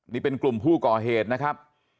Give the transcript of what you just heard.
นี่เป็นกลุ่มผู้ก่อเหตุนะครับ